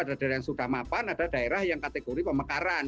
ada daerah yang sudah mapan ada daerah yang kategori pemekaran